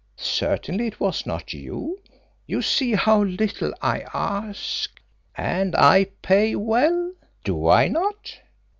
Certainly it was not you. You see how little I ask and I pay well, do I not?